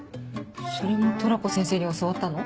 それもトラコ先生に教わったの？